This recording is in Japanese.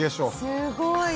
すごい！